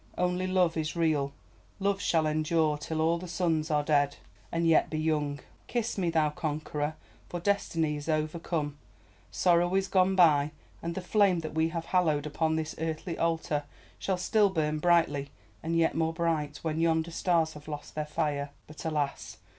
Only Love is real; Love shall endure till all the suns are dead, and yet be young. Kiss me, thou Conqueror, for Destiny is overcome, Sorrow is gone by; and the flame that we have hallowed upon this earthly altar shall still burn brightly, and yet more bright, when yonder stars have lost their fire. But alas!